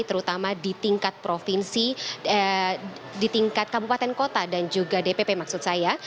terutama di tingkat provinsi di tingkat kabupaten kota dan juga dpp maksud saya